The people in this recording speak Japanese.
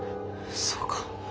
そうか。